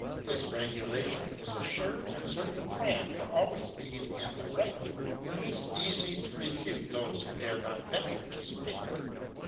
This regulation is a sure and certain plan for always being in the right. It is easy to refute those who dare not venture to speak.